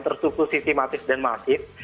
terstruktur sistematis dan masif